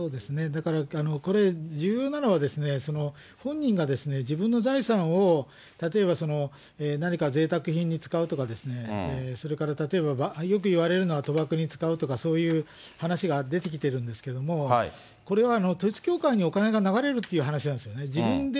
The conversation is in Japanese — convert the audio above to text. だからこれ、重要なのは、本人が自分の財産を、例えば何かぜいたく品に使うとか、それから例えば、よく言われるのは賭博に使うとかそういう話が出てきてるんですけれども、これは統一教会にお金が流れるっていう話なんですよね。